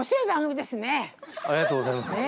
ありがとうございます。